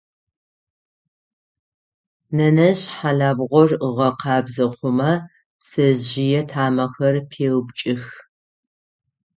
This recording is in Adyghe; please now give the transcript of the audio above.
Нэнэжъ хьалабгъор ыгъэкъабзэ хъумэ пцэжъые тамэхэр пеупкӏых.